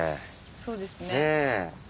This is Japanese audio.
そうですね。